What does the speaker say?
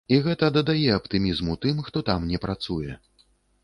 І гэта дадае аптымізму тым, хто там не працуе.